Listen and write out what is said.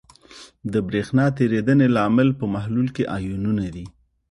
د برېښنا تیریدنې لامل په محلول کې آیونونه دي.